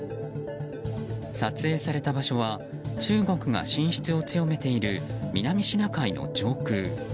撮影された場所は、中国が進出を強めている南シナ海の上空。